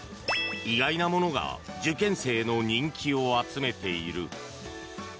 意外なものが受験生の人気を集めている。